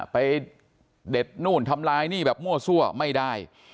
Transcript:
เด็ดนู่นทำลายหนี้แบบมั่วซั่วไม่ได้